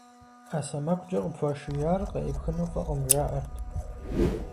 Ӏэ сэмэгукӀэ къыпхуашияр къеӀыпхыну фӀыкъым, жаӀэрт.